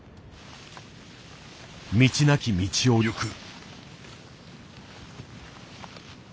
道なき道を行く。